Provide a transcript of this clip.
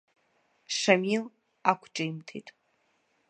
Шамил ақәҿимҭит.